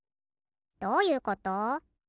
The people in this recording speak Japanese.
どういうこと？